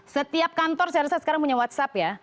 setiap kantor saya rasa sekarang punya whatsapp ya